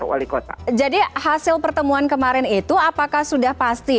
oke jadi hasil pertemuan kemarin itu apakah sudah pasti